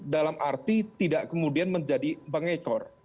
dalam arti tidak kemudian menjadi pengekor